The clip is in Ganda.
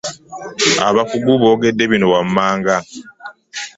Abakugu boogedde bino wammanga .